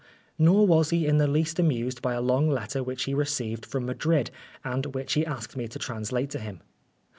Nor was he in the least amused by a long letter which he re ceived from Madrid, and which he asked me to translate to him.